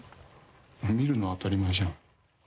見るのは当たり前じゃん。